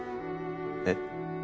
えっ？